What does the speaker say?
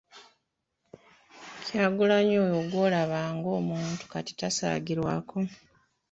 Kyagulanyi oyo gw’olaba ng’omuto kati tasaagirwako.